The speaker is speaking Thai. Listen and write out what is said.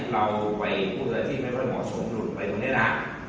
เราไปพูดกับที่ไม่ค่อยเหมาะชมหลุดไปวันนี้ละ